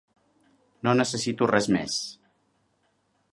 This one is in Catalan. No necessito res més.